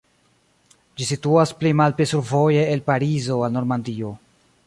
Ĝi situas pli malpli survoje el Parizo al Normandio.